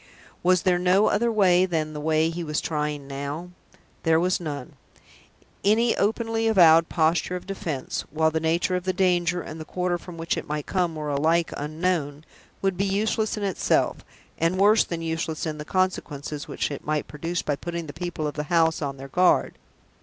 Was there no other way than the way he was trying now? There was none. Any openly avowed posture of defense while the nature of the danger, and the quarter from which it might come, were alike unknown would be useless in itself, and worse than useless in the consequences which it might produce by putting the people of the house on their guard.